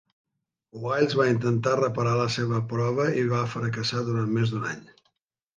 Wiles va intentar reparar la seva prova i va fracassar durant més d'un any.